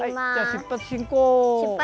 出発進行！